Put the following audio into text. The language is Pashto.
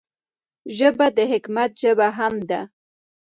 ژبه د حکمت ژبه هم ده